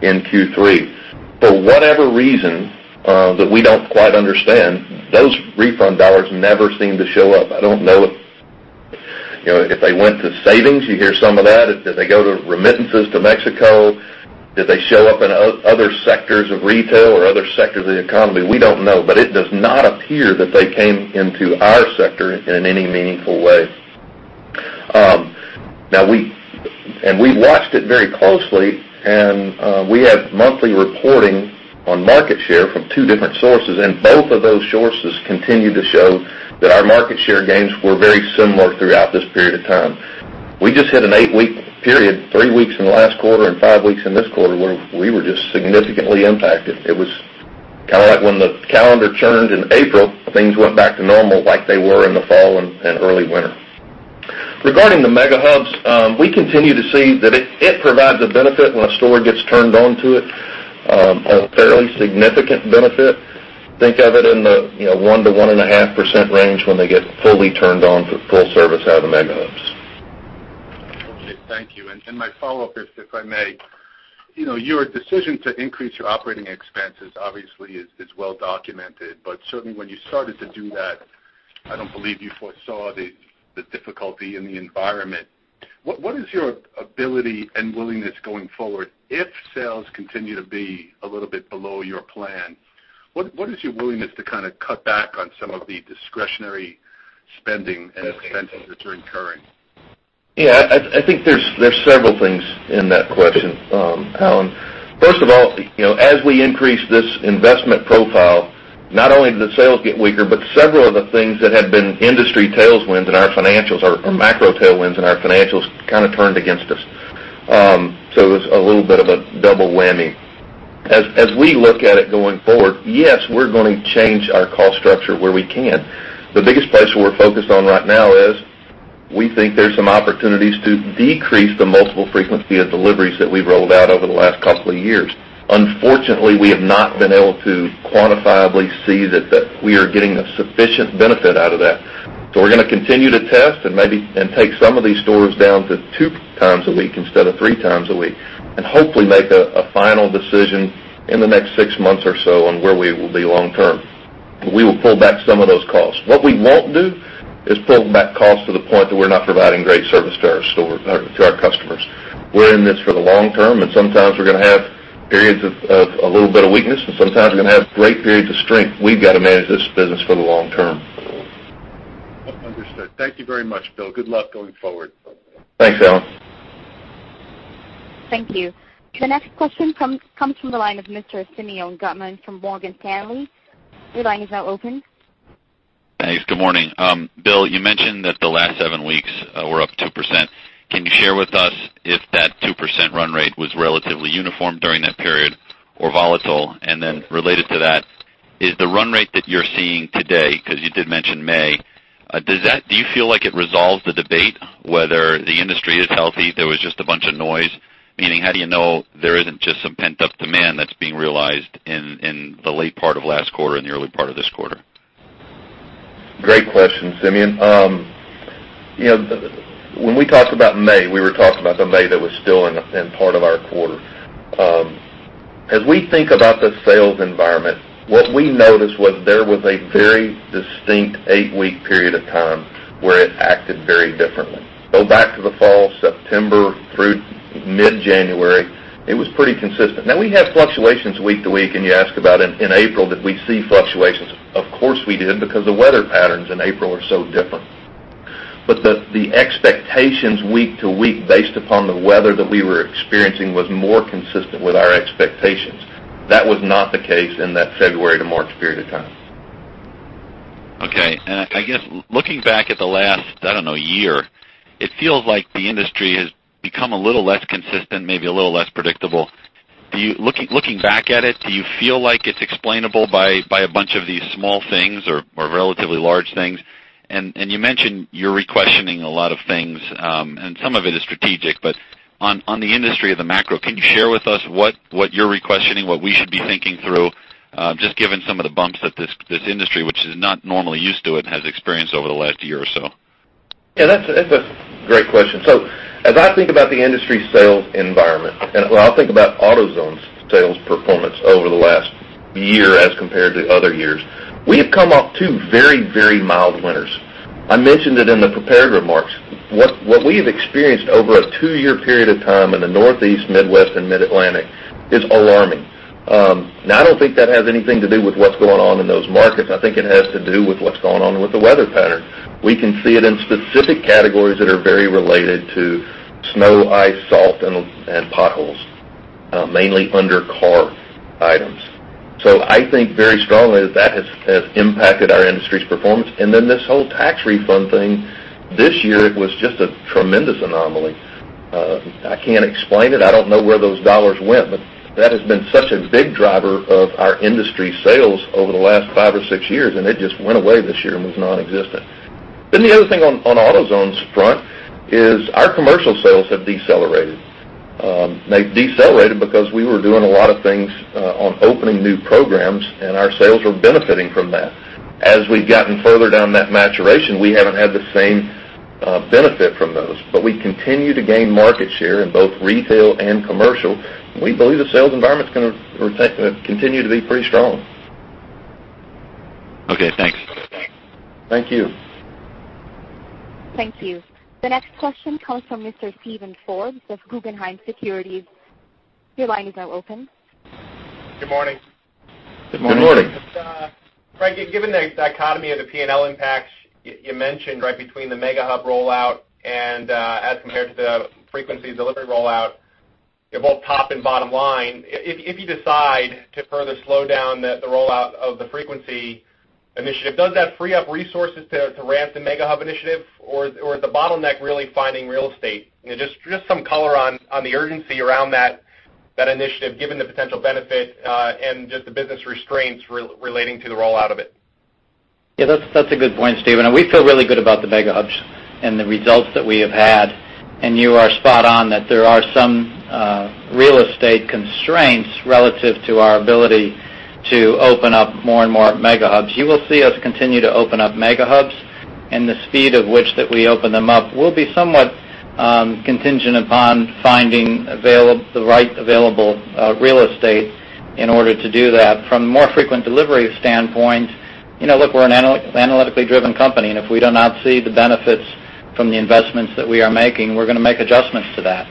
in Q3. For whatever reason that we don't quite understand, those refund dollars never seem to show up. I don't know if they went to savings. You hear some of that. Did they go to remittances to Mexico? Did they show up in other sectors of retail or other sectors of the economy? We don't know, it does not appear that they came into our sector in any meaningful way. We watched it very closely, and we had monthly reporting on market share from two different sources, and both of those sources continued to show that our market share gains were very similar throughout this period of time. We just hit an eight-week period, three weeks in the last quarter and five weeks in this quarter, where we were just significantly impacted. It was kind of like when the calendar turned in April, things went back to normal like they were in the fall and early winter. Regarding the Mega Hubs, we continue to see that it provides a benefit when a store gets turned on to it, a fairly significant benefit. Think of it in the one to one-and-a-half % range when they get fully turned on for full service out of the Mega Hubs. Okay, thank you. My follow-up is, if I may, your decision to increase your operating expenses obviously is well documented. Certainly, when you started to do that, I don't believe you foresaw the difficulty in the environment. What is your ability and willingness going forward if sales continue to be a little bit below your plan? What is your willingness to kind of cut back on some of the discretionary spending and expenses that you're incurring? Yeah, I think there's several things in that question, Alan. First of all, as we increase this investment profile, not only did the sales get weaker, but several of the things that had been industry tailwinds in our financials or macro tailwinds in our financials kind of turned against us. It was a little bit of a double whammy. As we look at it going forward, yes, we're going to change our cost structure where we can. The biggest place where we're focused on right now is we think there's some opportunities to decrease the multiple frequency of deliveries that we've rolled out over the last couple of years. Unfortunately, we have not been able to quantifiably see that we are getting a sufficient benefit out of that. We're going to continue to test and take some of these stores down to two times a week instead of three times a week, and hopefully make a final decision in the next six months or so on where we will be long term. We will pull back some of those costs. What we won't do is pull back costs to the point that we're not providing great service to our customers. We're in this for the long term, and sometimes we're going to have periods of a little bit of weakness, and sometimes we're going to have great periods of strength. We've got to manage this business for the long term. Understood. Thank you very much, Bill. Good luck going forward. Thanks, Alan. Thank you. The next question comes from the line of Mr. Simeon Gutman from Morgan Stanley. Your line is now open. Thanks. Good morning. Bill, you mentioned that the last seven weeks were up 2%. Can you share with us if that 2% run rate was relatively uniform during that period or volatile? Related to that, is the run rate that you're seeing today, because you did mention May, do you feel like it resolves the debate whether the industry is healthy, there was just a bunch of noise? Meaning, how do you know there isn't just some pent-up demand that's being realized in the late part of last quarter and the early part of this quarter? Great question, Simeon. When we talked about May, we were talking about the May that was still in part of our quarter. As we think about the sales environment, what we noticed was there was a very distinct eight-week period of time where it acted very differently. Go back to the fall, September through mid-January, it was pretty consistent. Now we have fluctuations week to week, and you ask about in April, did we see fluctuations. Of course, we did because the weather patterns in April are so different. The expectations week to week based upon the weather that we were experiencing was more consistent with our expectations. That was not the case in that February to March period of time. Okay. I guess looking back at the last, I don't know, year, it feels like the industry has become a little less consistent, maybe a little less predictable. Looking back at it, do you feel like it's explainable by a bunch of these small things or relatively large things? You mentioned you're requestioning a lot of things, some of it is strategic, but on the industry of the macro, can you share with us what you're requestioning, what we should be thinking through, just given some of the bumps that this industry, which is not normally used to it, has experienced over the last year or so? Yeah, that's a great question. As I think about the industry sales environment, when I think about AutoZone's sales performance over the last year as compared to other years, we have come off two very mild winters. I mentioned it in the prepared remarks. What we have experienced over a 2-year period of time in the Northeast, Midwest, and Mid-Atlantic is alarming. I don't think that has anything to do with what's going on in those markets. I think it has to do with what's going on with the weather pattern. We can see it in specific categories that are very related to snow, ice, salt, and potholes, mainly under car items. I think very strongly that has impacted our industry's performance. This whole tax refund thing this year, it was just a tremendous anomaly. I can't explain it. I don't know where those dollars went, that has been such a big driver of our industry sales over the last five or six years, and it just went away this year and was nonexistent. The other thing on AutoZone's front is our commercial sales have decelerated. They decelerated because we were doing a lot of things on opening new programs, and our sales were benefiting from that. As we've gotten further down that maturation, we haven't had the same benefit from those. We continue to gain market share in both retail and commercial. We believe the sales environment is going to continue to be pretty strong. Okay, thanks. Thank you. Thank you. The next question comes from Mr. Steven Forbes of Guggenheim Securities. Your line is now open. Good morning. Good morning. Good morning. [Will], given the dichotomy of the P&L impact you mentioned between the Mega Hub rollout and as compared to the frequency delivery rollout, both top and bottom line, if you decide to further slow down the rollout of the frequency initiative, does that free up resources to ramp the Mega Hub initiative, or is the bottleneck really finding real estate? Just some color on the urgency around that initiative, given the potential benefit, and just the business restraints relating to the rollout of it. Yeah, that's a good point, Steven, we feel really good about the Mega Hubs and the results that we have had. You are spot on that there are some real estate constraints relative to our ability to open up more and more Mega Hubs. You will see us continue to open up Mega Hubs, the speed of which that we open them up will be somewhat contingent upon finding the right available real estate in order to do that. From a more frequent delivery standpoint, look, we're an analytically driven company, and if we do not see the benefits from the investments that we are making, we're going to make adjustments to that.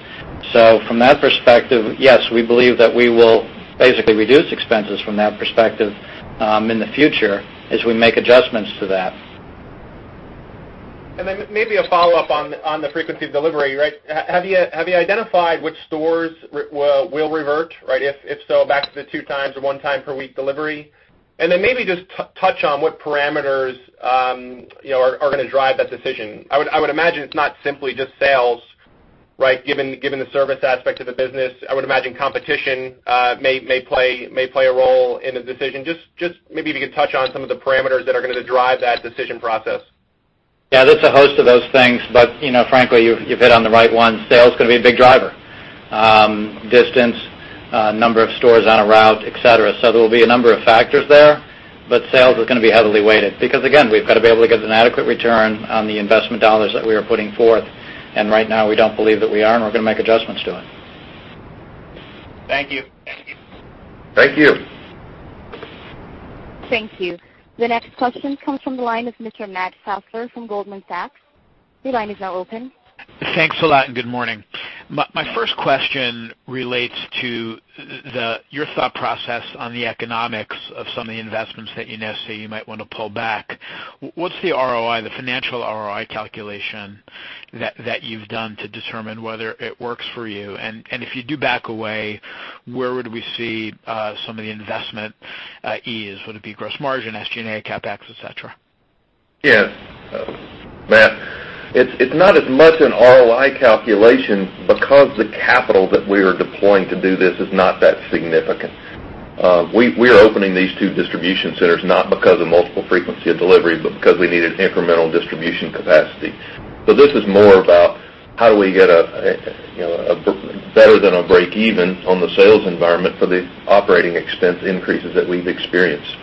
From that perspective, yes, we believe that we will basically reduce expenses from that perspective in the future as we make adjustments to that. Then maybe a follow-up on the frequency of delivery. Have you identified which stores will revert? If so, back to the two times or one time per week delivery? Then maybe just touch on what parameters are going to drive that decision. I would imagine it's not simply just sales. Given the service aspect of the business, I would imagine competition may play a role in the decision. Just maybe if you could touch on some of the parameters that are going to drive that decision process. Yeah, there's a host of those things. Frankly, you've hit on the right one. Sales is going to be a big driver. Distance, number of stores on a route, et cetera. There will be a number of factors there, but sales is going to be heavily weighted. Again, we've got to be able to get an adequate return on the investment dollars that we are putting forth, and right now, we don't believe that we are, and we're going to make adjustments to it. Thank you. Thank you. Thank you. The next question comes from the line of Mr. Matt Fassler from Goldman Sachs. Your line is now open. Thanks a lot, good morning. My first question relates to your thought process on the economics of some of the investments that you now say you might want to pull back. What's the ROI, the financial ROI calculation that you've done to determine whether it works for you? If you do back away, where would we see some of the investment ease? Would it be gross margin, SG&A, CapEx, et cetera? Yes. Matt, it's not as much an ROI calculation because the capital that we are deploying to do this is not that significant. We are opening these two distribution centers not because of multiple frequency of delivery, but because we needed incremental distribution capacity. This is more about how do we get better than a break even on the sales environment for the operating expense increases that we've experienced.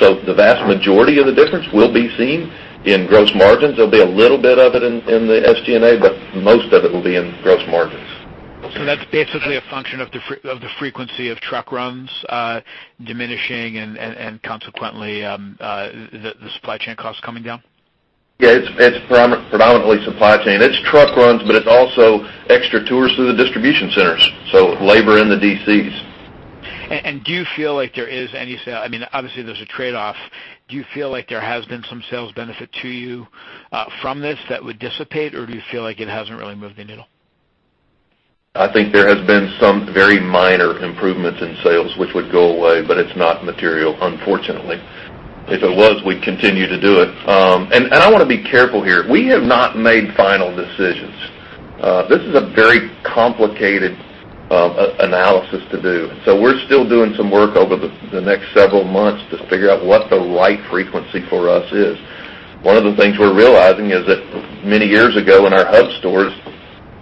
The vast majority of the difference will be seen in gross margins. There'll be a little bit of it in the SG&A, most of it will be in gross margins. That's basically a function of the frequency of truck runs diminishing and consequently, the supply chain costs coming down? Yeah, it's predominantly supply chain. It's truck runs, it's also extra tours through the distribution centers, so labor in the DCs. Do you feel like there is any sale-- obviously, there's a trade-off. Do you feel like there has been some sales benefit to you from this that would dissipate, or do you feel like it hasn't really moved the needle? I think there has been some very minor improvements in sales which would go away, it's not material, unfortunately. If it was, we'd continue to do it. I want to be careful here. We have not made final decisions. This is a very complicated analysis to do. We're still doing some work over the next several months to figure out what the right frequency for us is. One of the things we're realizing is that many years ago in our Hub Stores,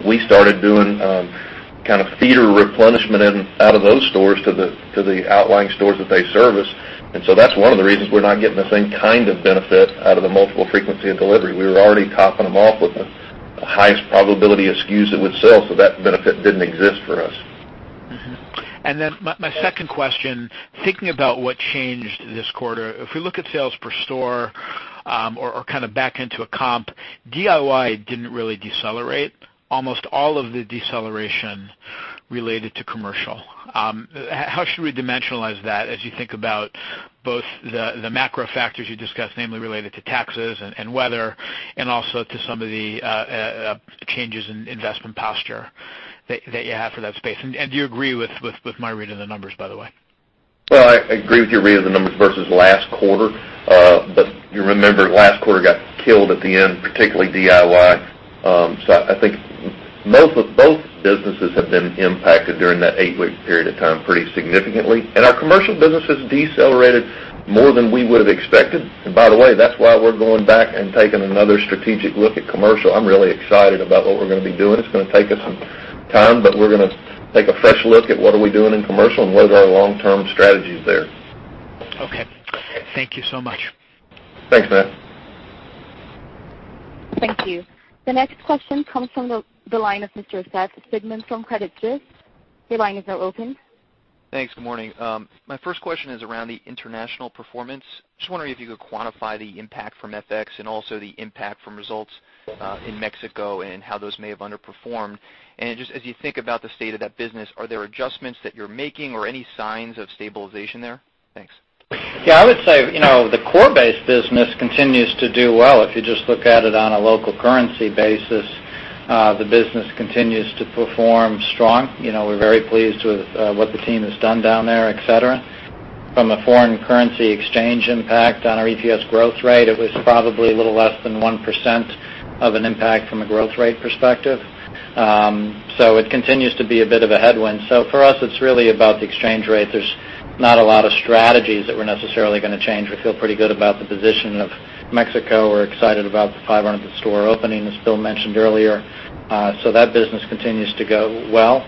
we started doing feeder replenishment out of those stores to the outlying stores that they service. That's one of the reasons we're not getting the same kind of benefit out of the multiple frequency of delivery. We were already topping them off with the highest probability of SKUs that would sell. That benefit didn't exist for us. My second question, thinking about what changed this quarter. If we look at sales per store or back into a comp, DIY didn't really decelerate. Almost all of the deceleration related to commercial. How should we dimensionalize that as you think about both the macro factors you discussed, namely related to taxes and weather, and also to some of the changes in investment posture that you have for that space? Do you agree with my read of the numbers, by the way? Well, I agree with your read of the numbers versus last quarter. You remember last quarter got killed at the end, particularly DIY. I think both businesses have been impacted during that 8-week period of time pretty significantly. Our commercial business has decelerated more than we would have expected. By the way, that's why we're going back and taking another strategic look at commercial. I'm really excited about what we're going to be doing. It's going to take us some time, we're going to take a fresh look at what are we doing in commercial and what are our long-term strategies there. Okay. Thank you so much. Thanks, Matt. Thank you. The next question comes from the line of Mr. Seth Sigman from Credit Suisse. Your line is now open. Thanks. Good morning. My first question is around the international performance. Just wondering if you could quantify the impact from FX and also the impact from results in Mexico and how those may have underperformed. Just as you think about the state of that business, are there adjustments that you're making or any signs of stabilization there? Thanks. Yeah, I would say, the core base business continues to do well. If you just look at it on a local currency basis, the business continues to perform strong. We're very pleased with what the team has done down there, et cetera. From a foreign currency exchange impact on our EPS growth rate, it was probably a little less than 1% of an impact from a growth rate perspective. It continues to be a bit of a headwind. For us, it's really about the exchange rate. There's not a lot of strategies that we're necessarily going to change. We feel pretty good about the position of Mexico. We're excited about the 500th store opening, as Bill mentioned earlier. That business continues to go well.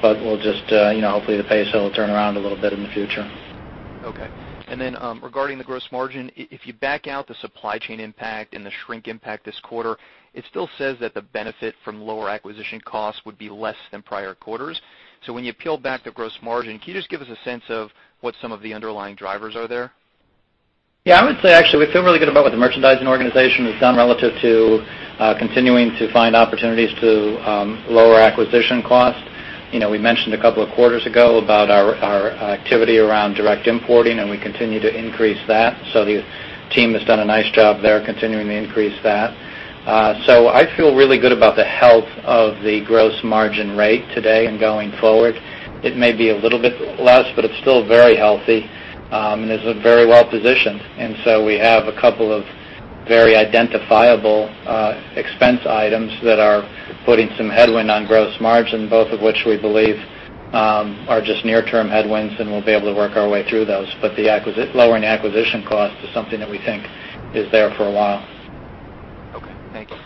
Hopefully the peso will turn around a little bit in the future. Okay. Regarding the gross margin, if you back out the supply chain impact and the shrink impact this quarter, it still says that the benefit from lower acquisition costs would be less than prior quarters. When you peel back the gross margin, can you just give us a sense of what some of the underlying drivers are there? Yeah, I would say, actually, we feel really good about what the merchandising organization has done relative to continuing to find opportunities to lower acquisition costs. We mentioned a couple of quarters ago about our activity around direct importing, and we continue to increase that. The team has done a nice job there continuing to increase that. I feel really good about the health of the gross margin rate today and going forward. It may be a little bit less, but it's still very healthy and is very well-positioned. We have a couple of very identifiable expense items that are putting some headwind on gross margin, both of which we believe are just near-term headwinds, and we'll be able to work our way through those. The lowering acquisition cost is something that we think is there for a while. Okay. Thank you.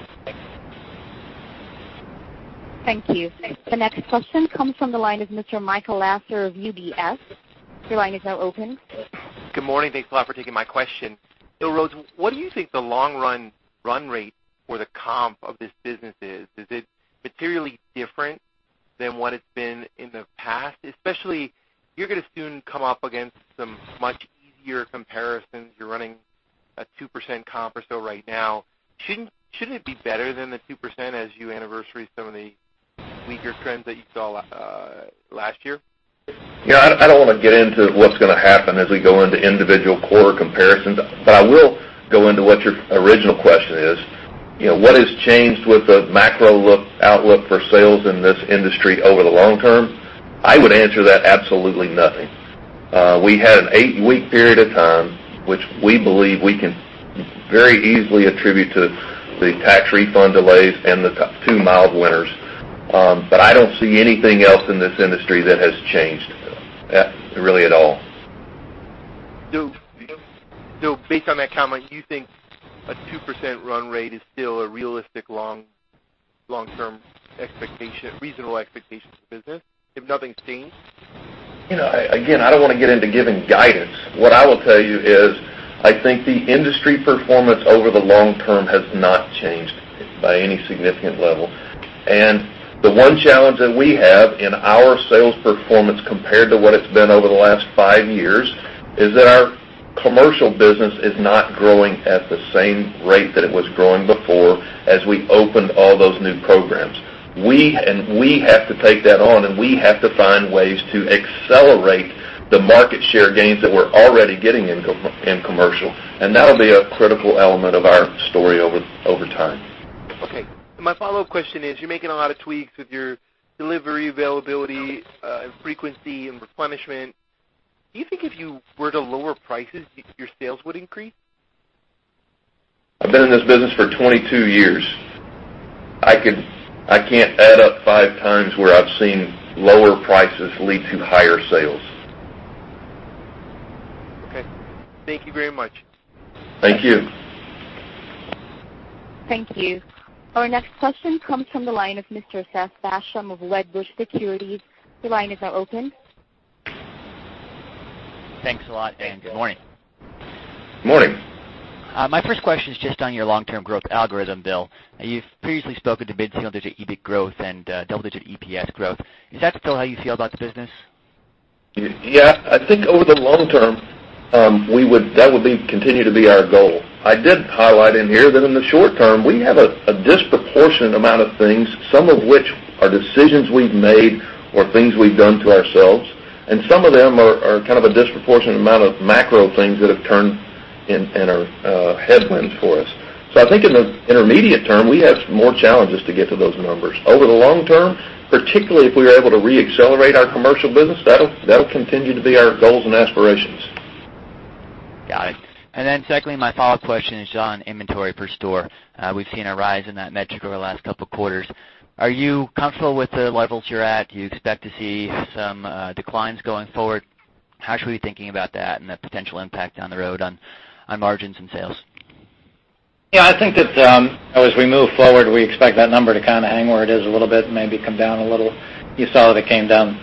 Thank you. The next question comes from the line of Michael Lasser of UBS. Your line is now open. Good morning. Thanks a lot for taking my question. Bill Rhodes, what do you think the long-run run rate for the comp of this business is? Is it materially different than what it's been in the past? Especially, you're going to soon come up against some much easier comparisons. You're running a 2% comp or so right now. Shouldn't it be better than the 2% as you anniversary some of the weaker trends that you saw last year? Yeah, I don't want to get into what's going to happen as we go into individual quarter comparisons, I will go into what your original question is. What has changed with the macro outlook for sales in this industry over the long term? I would answer that absolutely nothing. We had an eight-week period of time, which we believe we can very easily attribute to the tax refund delays and the two mild winters. I don't see anything else in this industry that has changed really at all. Based on that comment, do you think a 2% run rate is still a realistic long-term expectation, reasonable expectation for the business if nothing's changed? I don't want to get into giving guidance. What I will tell you is I think the industry performance over the long term has not changed by any significant level. The one challenge that we have in our sales performance compared to what it's been over the last 5 years is that our commercial business is not growing at the same rate that it was growing before as we opened all those new programs. We have to take that on, and we have to find ways to accelerate the market share gains that we're already getting in commercial, and that'll be a critical element of our story over time. Okay. My follow-up question is, you're making a lot of tweaks with your delivery availability, frequency, and replenishment. Do you think if you were to lower prices, your sales would increase? I've been in this business for 22 years. I can't add up five times where I've seen lower prices lead to higher sales. Okay. Thank you very much. Thank you. Thank you. Our next question comes from the line of Mr. Seth Basham of Wedbush Securities. Your line is now open. Thanks a lot. Good morning. Morning. My first question is just on your long-term growth algorithm, Bill. You've previously spoken to mid-single digit EBIT growth and double-digit EPS growth. Is that still how you feel about the business? I think over the long term, that would continue to be our goal. I did highlight in here that in the short term, we have a disproportionate amount of things, some of which are decisions we've made or things we've done to ourselves, and some of them are kind of a disproportionate amount of macro things that have turned and are headwinds for us. I think in the intermediate term, we have some more challenges to get to those numbers. Over the long term, particularly if we are able to reaccelerate our commercial business, that'll continue to be our goals and aspirations. Got it. Secondly, my follow-up question is on inventory per store. We've seen a rise in that metric over the last couple of quarters. Are you comfortable with the levels you're at? Do you expect to see some declines going forward? How should we be thinking about that and the potential impact down the road on margins and sales? Yeah, I think that as we move forward, we expect that number to hang where it is a little bit, maybe come down a little. You saw that it came down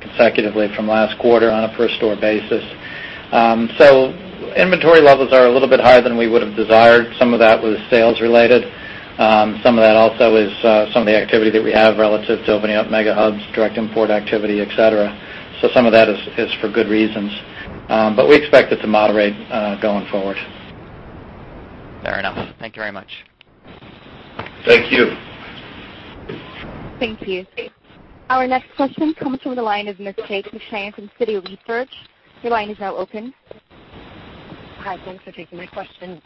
consecutively from last quarter on a per store basis. Inventory levels are a little bit higher than we would have desired. Some of that was sales related. Some of that also is some of the activity that we have relative to opening up Mega Hubs, direct import activity, et cetera. Some of that is for good reasons. We expect it to moderate going forward. Fair enough. Thank you very much. Thank you. Thank you. Our next question comes from the line of Ms. Kate McShane from Citi Research. Your line is now open. Hi, thanks for taking my question.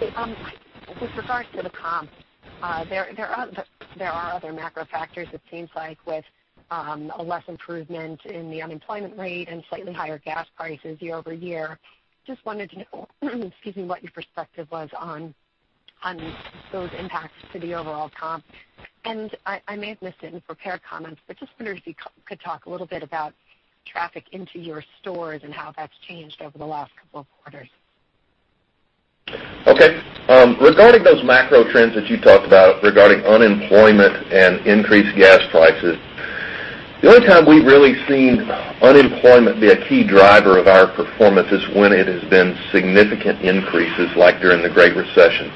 With regards to the comps, there are other macro factors, it seems like, with a less improvement in the unemployment rate and slightly higher gas prices year-over-year. Just wanted to know, excuse me, what your perspective was on those impacts to the overall comp. I may have missed it in prepared comments, but just wondered if you could talk a little bit about traffic into your stores and how that's changed over the last couple of quarters. Okay. Regarding those macro trends that you talked about regarding unemployment and increased gas prices, the only time we've really seen unemployment be a key driver of our performance is when it has been significant increases, like during the Great Recession.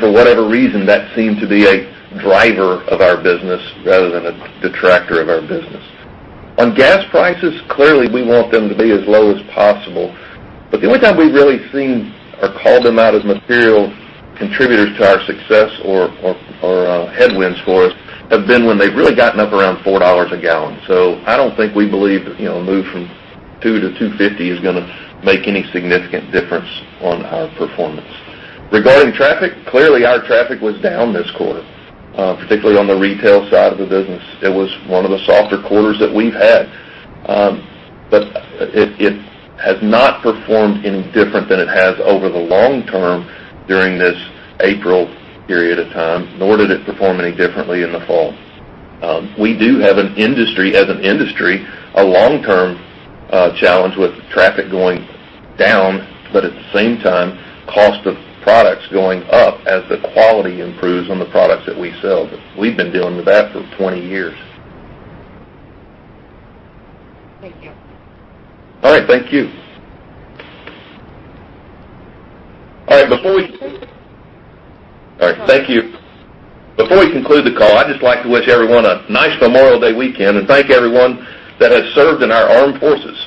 For whatever reason, that seemed to be a driver of our business rather than a detractor of our business. On gas prices, clearly, we want them to be as low as possible. The only time we've really seen or called them out as material contributors to our success or headwinds for us have been when they've really gotten up around $4 a gallon. I don't think we believe that a move from $2 to $2.50 is going to make any significant difference on our performance. Regarding traffic, clearly, our traffic was down this quarter, particularly on the retail side of the business. It was one of the softer quarters that we've had. It has not performed any different than it has over the long term during this April period of time, nor did it perform any differently in the fall. We do have an industry, as an industry, a long-term challenge with traffic going down, but at the same time, cost of products going up as the quality improves on the products that we sell. We've been dealing with that for 20 years. Thank you. All right. Thank you. All right. Okay. All right, thank you. Before we conclude the call, I'd just like to wish everyone a nice Memorial Day weekend and thank everyone that has served in our armed forces.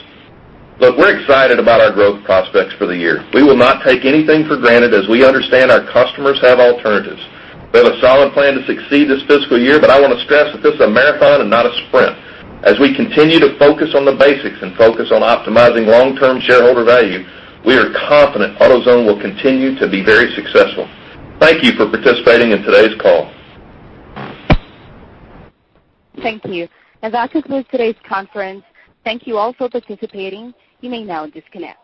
Look, we're excited about our growth prospects for the year. We will not take anything for granted as we understand our customers have alternatives. We have a solid plan to succeed this fiscal year, I want to stress that this is a marathon and not a sprint. As we continue to focus on the basics and focus on optimizing long-term shareholder value, we are confident AutoZone will continue to be very successful. Thank you for participating in today's call. Thank you. That concludes today's conference. Thank you all for participating. You may now disconnect.